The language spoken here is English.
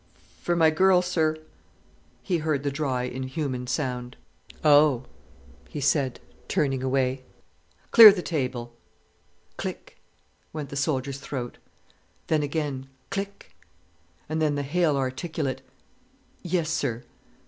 "For my girl, sir," he heard the dry, inhuman sound. "Oh!" he said, turning away. "Clear the table." "Click!" went the soldier's throat; then again, "click!" and then the half articulate: "Yes, sir."